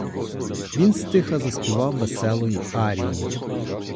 Він стиха заспівав веселої арії.